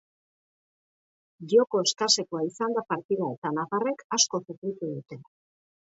Joko eskasekoa izan da partida eta nafarrek asko sufritu dute.